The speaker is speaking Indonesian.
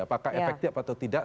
apakah efektif atau tidak